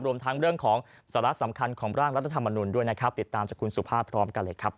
รวมทั้งเรื่องของสาระสำคัญของร่างรัฐธรรมนุนด้วยนะครับติดตามจากคุณสุภาพพร้อมกันเลยครับ